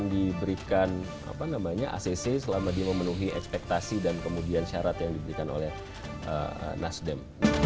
diberikan acc selama dia memenuhi ekspektasi dan kemudian syarat yang diberikan oleh nasdem